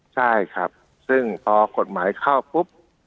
ใช่ครับซึ่งพอกฎหมายเข้าปุ๊บ